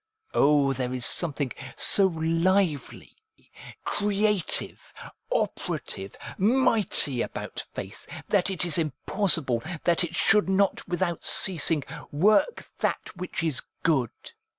Oh, there is something so lively, creative, operative, mighty about faith, that it is impossible that it should not without ceasing work that which is good.